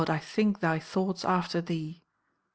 I think Thy thoughts after Thee!'"